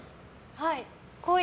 はい。